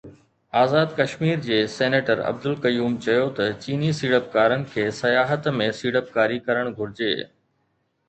آزاد ڪشمير جي سينيٽر عبدالقيوم چيو ته چيني سيڙپڪارن کي سياحت ۾ سيڙپڪاري ڪرڻ گهرجي